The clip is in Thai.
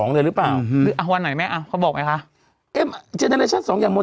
ไม่รู้นะเค้าเก็บไว้ให้พ่อแม่ไหม